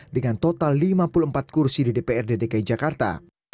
dengan total lima puluh empat kursi di dprd dki jakarta